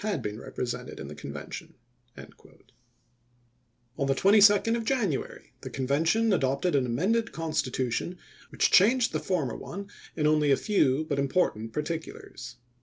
had been represented in the Convention." ARKANSAS FEEE 415 On the 22d of January the Convention adopted chaf.xvi. an amended constitution which changed the former i864. one in only a few but important particulars.